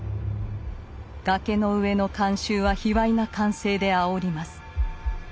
崖の上の観衆は卑猥な歓声であおります。